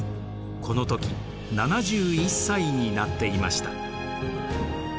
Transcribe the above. この時７１歳になっていました。